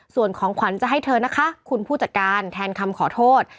ส่วนของขวัญจะให้เธอนะคะคุณผู้จัดการแทนคำขอโทษ